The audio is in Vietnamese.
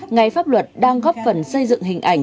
ngày pháp luật đang góp phần xây dựng hình ảnh